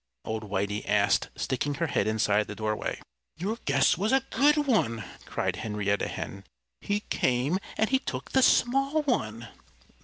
old Whitey asked, sticking her head inside the doorway. "Your guess was a good one!" cried Henrietta Hen. "He came; and he took the small one."